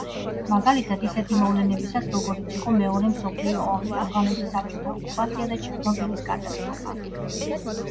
მაგალითად ისეთი მოვლენებისას, როგორიც იყო მეორე მსოფლიო ომი, ავღანეთის საბჭოთა ოკუპაცია და ჩერნობილის კატასტროფა.